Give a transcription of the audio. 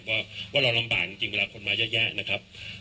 เพราะว่าเราลำบากจริงเวลาคนมาแยะนะครับ